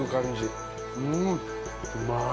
うまい。